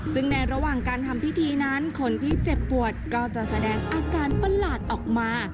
ซึ่งในระหว่างการทำพิธีนั้นคนที่เจ็บปวดก็จะแสดงอาการประหลาดออกมา